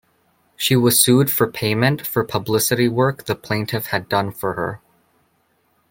She was sued for payment for publicity work the plaintiff had done for her.